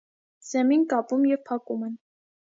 Սեմին կապում և փակում են։